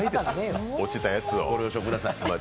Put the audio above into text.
落ちたやつはください。